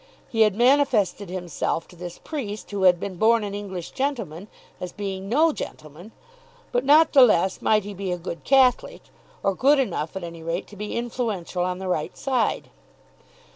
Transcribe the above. He had manifested himself to this priest, who had been born an English gentleman, as being no gentleman. But, not the less might he be a good Catholic, or good enough at any rate to be influential on the right side.